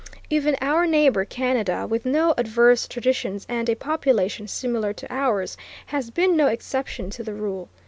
Even our neighbor, Canada, with no adverse traditions and a population similar to ours, has been no exception to the rule.